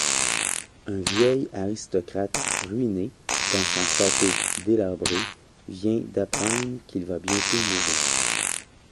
Un vieil aristocrate ruiné dans son château délabré, vient d’apprendre qu’il va bientôt mourir.